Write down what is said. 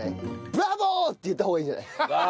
「ブラボー！」って言った方がいいんじゃない？